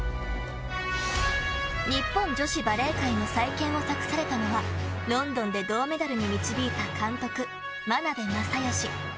日本女子バレー界の再建を託されたのはロンドンで銅メダルに導いた監督眞鍋政義。